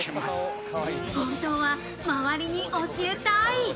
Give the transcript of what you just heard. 本当は周りに教えたい。